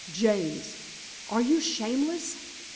James, are you shameless?"